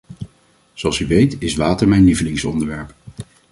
Zoals u weet is water mijn lievelingsonderwerp.